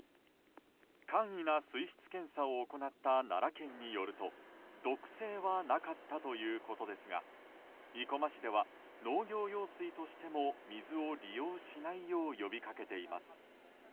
簡易な水質検査を行った奈良県によると毒性はなかったということですが生駒市では農業用水としても水を利用しないよう呼びかけています。